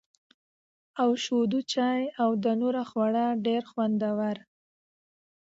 او شېدو چای او دانور خواړه ډېره خوندوره